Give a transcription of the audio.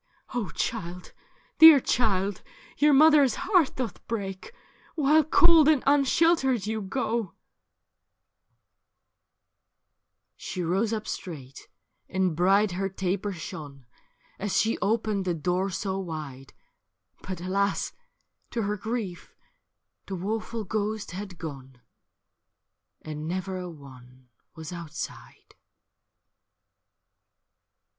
' O child, dear child, your luothcr's heart doth break, While cold and unsheltered you go I ' 22 JEANNE BRAS She rose up straight, and bright her taper shone As she opened the door so wide ; But alas ! to her grief, the woful ghost had gone, And never a one was outside.